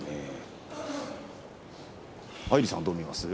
アイリさんどう見ますか？